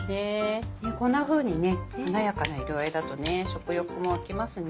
こんなふうに華やかな色合いだと食欲も湧きますね。